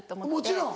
もちろん。